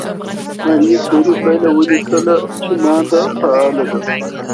ماري کوري پایله ولیکله چې ماده فعاله ده.